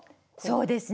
そうですね